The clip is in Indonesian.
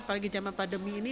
apalagi jaman pandemi ini